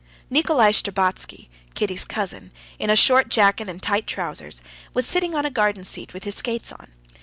Nikolay Shtcherbatsky, Kitty's cousin, in a short jacket and tight trousers, was sitting on a garden seat with his skates on.